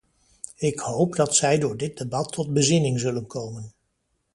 Ik hoop dat zij door dit debat tot bezinning zullen komen.